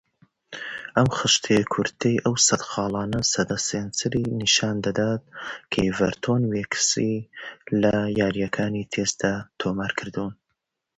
The following table summarises the Test centuries scored by Everton Weekes.